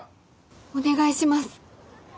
お願いします。